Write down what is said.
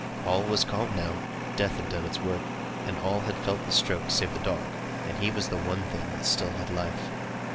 All was calm now death had done its work, and all had felt its stroke, save the dog, and he was the one thing that still had life.